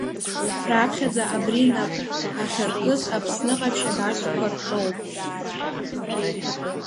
Раԥхьаӡа абри нап ахьаркыз Аԥсны ҟаԥшь адаҟьақәа рҿоуп.